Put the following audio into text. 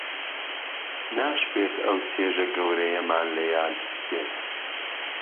ناشبێت ئەو چێژە گەورەیەمان لە یاد بچێت